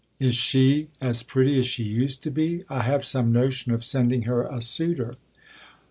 Is she ^as pretty as she used to be ? 1 have some notion oi sending her a suitor.